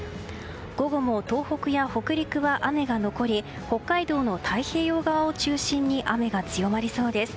午後も東北や北陸は雨が残り北海道の太平洋側を中心に雨が強まりそうです。